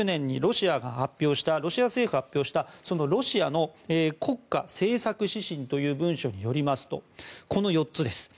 ２０２０年にロシア政府が発表したロシアの国家政策指針という文書によりますとこの４つです。